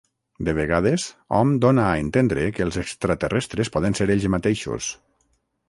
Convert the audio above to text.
De vegades hom dóna a entendre que els extraterrestres poden ser ells mateixos.